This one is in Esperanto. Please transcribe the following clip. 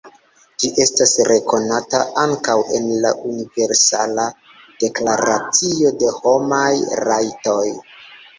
Ĝi estas rekonata ankaŭ en la Universala Deklaracio de Homaj Rajtoj.